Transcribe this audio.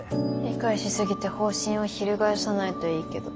理解しすぎて方針を翻さないといいけど。